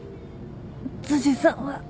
辻さんは。